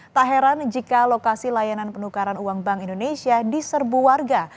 tak heran jika lokasi layanan penukaran uang bank indonesia diserbu warga